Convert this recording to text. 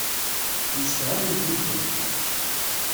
Msefhament yid-kent.